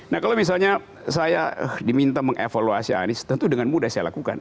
nah kalau misalnya saya diminta mengevaluasi anies tentu dengan mudah saya lakukan